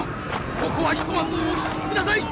ここはひとまずお引きください！